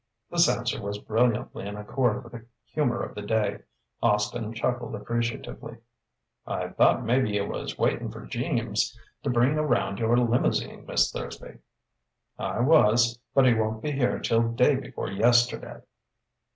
This answer was brilliantly in accord with the humour of the day. Austin chuckled appreciatively. "I thought maybe you was waitin' for Jeems to bring around your limousine, Miss Thursby." "I was, but he won't be here till day before yesterday."